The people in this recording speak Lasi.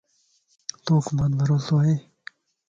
توک مانت بھروسو ائي؟